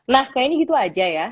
nah kayaknya begitu saja ya